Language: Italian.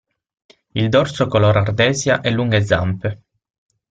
Il dorso color ardesia e lunghe zampe.